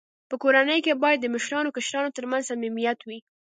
په کورنۍ کي باید د مشرانو او کشرانو ترمنځ صميميت وي.